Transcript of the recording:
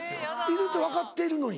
いると分かってるのに？